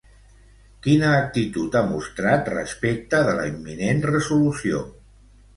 Quina actitud ha mostrat respecte de la imminent resolució?